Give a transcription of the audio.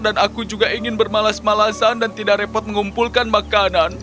dan aku juga ingin bermalas malasan dan tidak repot mengumpulkan makanan